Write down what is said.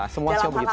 semua show begitu